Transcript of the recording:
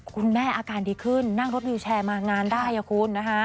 คุณแม่อาการดีขึ้นนั่งรถวิวแชร์มางานได้อ่ะคุณ